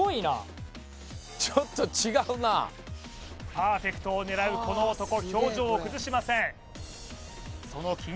パーフェクトを狙うこの男表情を崩しません